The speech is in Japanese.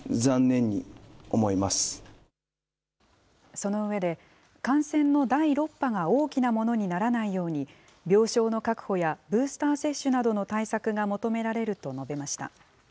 その上で、感染の第６波が大きなものにならないように、病床の確保やブースター接種などの対策が求められると述べました。